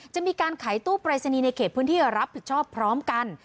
จะมีการขายตู้ปรายศนีย์ในเขตพื้นที่รับผิดชอบพร้อมกัน